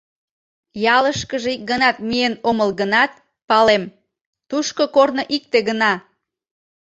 Ялышкыже ик ганат миен омыл гынат, палем: тушко корно икте гына.